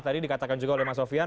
tadi dikatakan juga oleh mas sofian